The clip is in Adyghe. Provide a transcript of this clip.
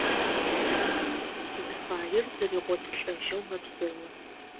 Зыфаер зэригъотылӏэжьэу мэпсэу.